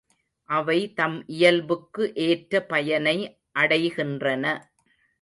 அவை தம் இயல்புக்கு ஏற்ற பயனை அடைகின்றன.